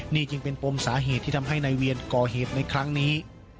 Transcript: นี่จึงเป็นปมสาเหตุที่ทำให้นายเวียนก่อเหตุในครั้งนี้